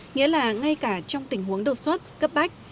nghĩa là ngay cả trong tình huống đột xuất cấp bách